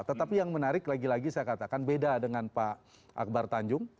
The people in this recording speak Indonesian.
tetapi yang menarik lagi lagi saya katakan beda dengan pak akbar tanjung